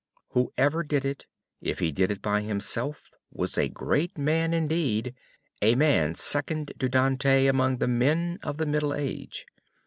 Whoever did it, if he did it by himself, was a great man indeed a man second to Dante among the men of the Middle Age.